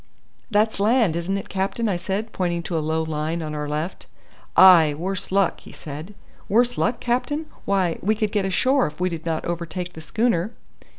"That's land, isn't it, captain?" I said, pointing to a low line on our left. "Ay, worse luck," he said. "Worse luck, captain? Why, we could get ashore if we did not overtake the schooner."